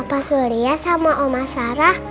opa suria sama oma sarah